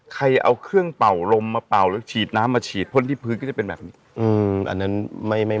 ใครเอาเครื่องเป่าลมมาเป่าหรือฉีดน้ำมาฉีดพ่นที่พื้นก็จะเป็นแบบนี้